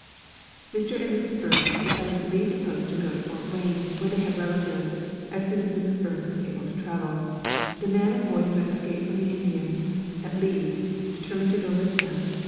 Mr. and Mrs. Burns decided to leave the post and go to Fort Wayne, where they had relatives, as soon as Mrs. Burns was able to travel. The man and boy who had escaped from the Indians at Lee's determined to go with them.